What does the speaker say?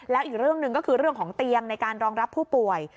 แล้วอีกเรื่องหนึ่งก็คือเรื่องของเตียงในการรองรับผู้ป่วย